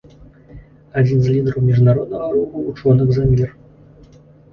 Адзін з лідараў міжнароднага руху вучоных за мір.